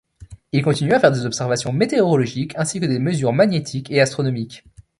Il continue à faire des observations météorologiques, ainsi que des mesures magnétiques et astronomiques.